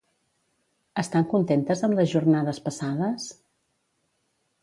Estan contentes amb les jornades passades?